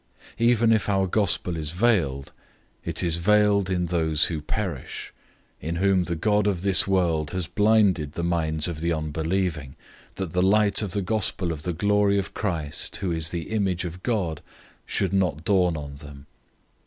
004:003 Even if our Good News is veiled, it is veiled in those who perish; 004:004 in whom the god of this world has blinded the minds of the unbelieving, that the light of the Good News of the glory of Christ, who is the image of God, should not dawn on them.